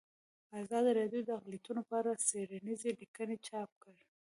ازادي راډیو د اقلیتونه په اړه څېړنیزې لیکنې چاپ کړي.